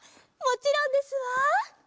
もちろんですわ。